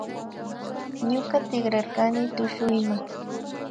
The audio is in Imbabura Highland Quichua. Ñuka tikrarkani tushuyma